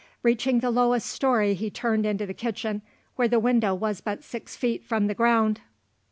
Reaching the lowest storey he turned into the kitchen, where the window was but six feet from the ground.